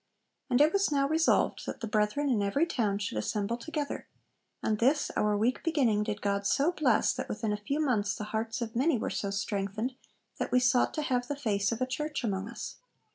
And it was now resolved, that the brethren in every town 'should assemble together. And this our weak beginning did God so bless, that within few months the hearts of many were so strengthened, that we sought to have the face of a church among us.'...